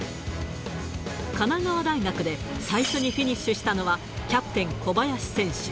神奈川大学で最初にフィニッシュしたのはキャプテン、小林選手。